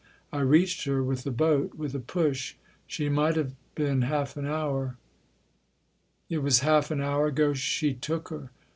I reached her with the boat, with a push. She might have been half an hour "" It was half an hour ago she took her